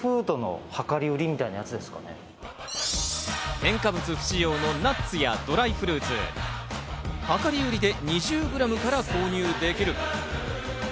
添加物不使用のナッツやドライフルーツを量り売りで２０ｇから購入できる。